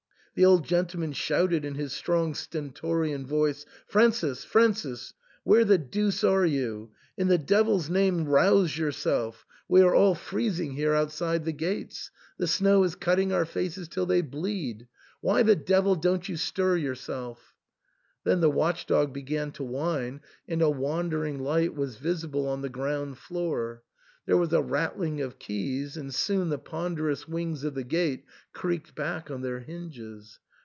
The old gentleman shouted in his strong stentorian voice, "Francis, Francis, where the deuce are you ? In the devil's name rouse yourself ; we are 222 THE ENTAIL. all freezing here outside the gates. The snow is cut ting our faces till they bleed. Why the devil don't you stir yourself?" Then the watch dog began to whine, and a wandering light was visible on the ground floor. There was a rattling of keys, and soon the pon derous wings of the gate creaked back ob their hinges.